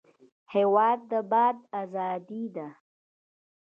هېواد د باد ازادي ده.